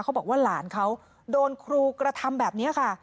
เขาบอกว่าหลานเขาโดนครูกระทำแบบนี้ค่ะ